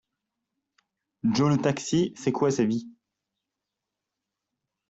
Joe le taxi, c'est quoi sa vie?